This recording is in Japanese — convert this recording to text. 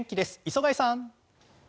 磯貝さん。